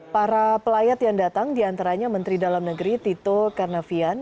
para pelayat yang datang diantaranya menteri dalam negeri tito karnavian